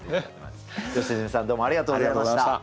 良純さんどうもありがとうございました。